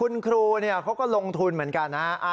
คุณครูเขาก็ลงทุนเหมือนกันนะฮะ